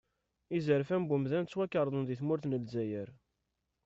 Izerfan n wemdan ttwarekḍen di tmurt n lezzayer.